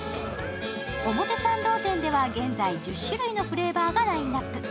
表参道店では現在、１０種類のフレーバーがラインナップ。